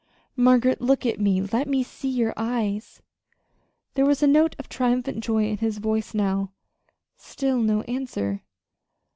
"Margaret, look at me let me see your eyes!" There was a note of triumphant joy in his voice now. Still no answer.